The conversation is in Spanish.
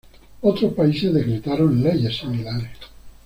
Otros países decretaron leyes similares.